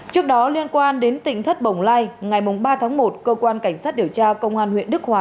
trước đó liên quan đến tỉnh thất bồng lai ngày ba tháng một cơ quan cảnh sát điều tra công an huyện đức hòa